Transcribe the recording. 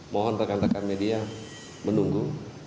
mohon rekan rekan media menunggu